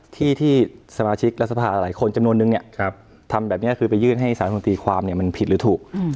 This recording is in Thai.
ที่ที่สมาชิกรัฐสภาหลายคนจำนวนนึงเนี่ยทำแบบนี้คือไปยื่นให้สารมนตรีความมันผิดหรือถูก